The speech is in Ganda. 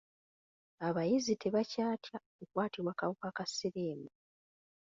Abayizi tebakyatya kukwatibwa kawuka ka Siriimu.